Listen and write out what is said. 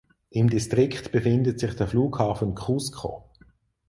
Im Distrikt befindet sich der Flughafen Cusco.